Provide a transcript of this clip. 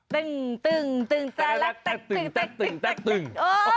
ตึงตึงตึงจ้าลักแต๊กตึงแต๊กตึงแต๊กตึง